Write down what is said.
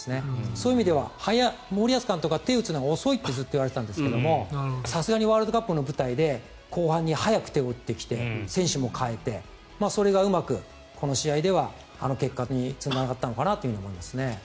そういう意味では森保監督は手を打つのが遅いってずっと言われていたんですがさすがにワールドカップの舞台で後半に早く手を打ってきて選手も代えてそれがうまくこの試合では結果につながったのかなと思いますね。